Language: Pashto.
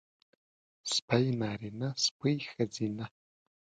سپی نارينه سپۍ ښځينۀ